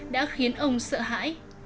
đã khiến ông sợ hãi